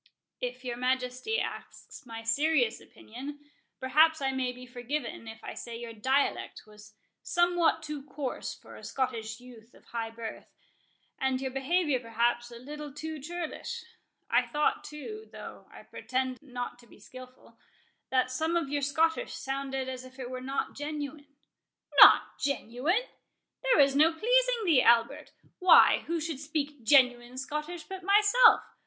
"If your Majesty asks my serious opinion, perhaps I may be forgiven if I say your dialect was somewhat too coarse for a Scottish youth of high birth, and your behaviour perhaps a little too churlish. I thought too—though I pretend not to be skilful—that some of your Scottish sounded as if it were not genuine." "Not genuine?—there is no pleasing thee, Albert.—Why, who should speak genuine Scottish but myself?